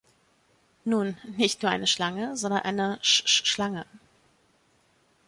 Nun, nicht nur eine Schlange, sondern eine Sch-sch-schlange.